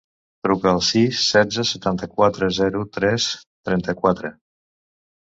Truca al sis, setze, setanta-quatre, zero, tres, trenta-quatre.